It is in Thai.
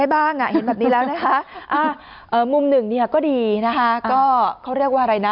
แบบนี้แล้วมุมหนึ่งก็ดี